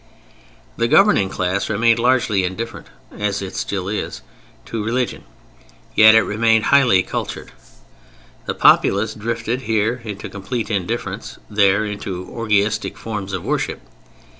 The governing class remained largely indifferent (as it still is) to religion, yet it remained highly cultured. The populace drifted here, into complete indifference, there, into orgiastic forms of worship.